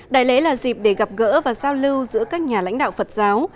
đại lễ là dịp để gặp gỡ và giao lưu giữa các nhà lãnh đạo phật giáo